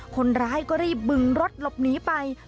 คนร้ายก็รีบบึงรถหลบหนีไป